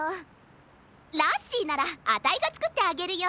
ラッシーならあたいがつくってあげるよ。